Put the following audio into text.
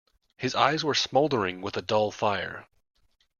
His eyes were smouldering with a dull fire.